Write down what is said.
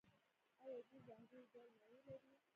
آیا دوی ځانګړي ډول مڼې نلري؟